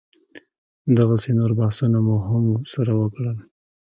دغسې نور بحثونه مو هم سره وکړل.